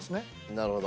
なるほど。